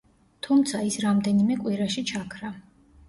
თუმცა, ის რამდენიმე კვირაში ჩაქრა.